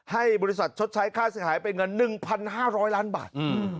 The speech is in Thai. ให้บริษัทชดใช้ค่าเสียหายเป็นเงิน๑๕๐๐ล้านบาท